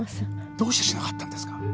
どうしてしなかったんですか？